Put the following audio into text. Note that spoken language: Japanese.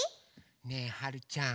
ねえはるちゃん。